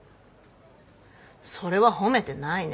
それは褒めてないね。